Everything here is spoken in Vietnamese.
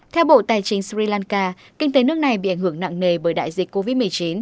theo bộ tài chính sri lanka kinh tế nước này bị ảnh hưởng nặng nề bởi đại dịch covid một mươi chín